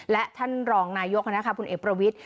และท่านรองนายกพลเอกประวิทธิ